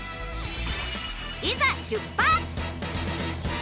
いざ出発！